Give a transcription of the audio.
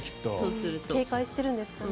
警戒してるんですかね。